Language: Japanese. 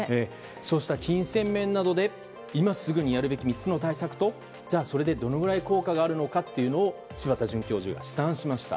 そうした金銭面などで今すぐにやるべき３つの対策とじゃあ、それでどのくらい効果があるのかというのを柴田准教授が試算しました。